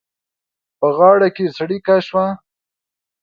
په غاړه کې څړيکه شوه.